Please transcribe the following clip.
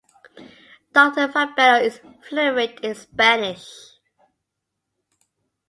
Doctor Fabelo is fluent in Spanish.